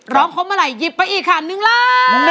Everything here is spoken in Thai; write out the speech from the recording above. ร้องครบเมื่อไหร่หยิบไปอีกค่ะ๑ล้านบาท